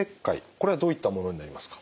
これはどういったものになりますか？